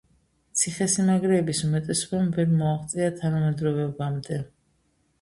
ციხესიმაგრეების უმეტესობამ ვერ მოაღწია თანამედროვეობამდე.